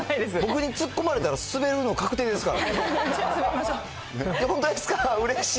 僕にツッコまれたら滑るの確定ですから。